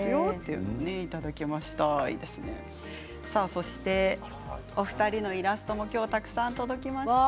そしてお二人のイラストも今日たくさん届きました。